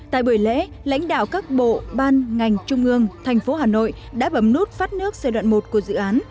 tại buổi lễ lãnh đạo các bộ ban ngành trung ương thành phố hà nội đã bấm nút phát nước giai đoạn một của dự án